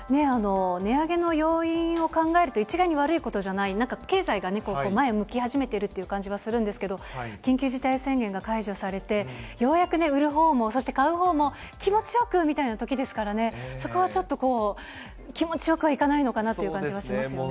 値上げの要因を考えると一概に悪いことじゃない、なんか経済がね、前向き始めてるという感じがするんですけど、緊急事態宣言が解除されて、ようやくね、売るほうも、そして買うほうも気持ちよくみたいなときですからね、そこはちょっとこう、気持ちよくはいかないのかなという感じはしますね。